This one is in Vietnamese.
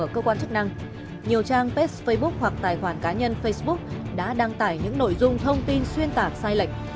các tài khoản cá nhân facebook đã đăng tải những nội dung thông tin xuyên tả sai lệch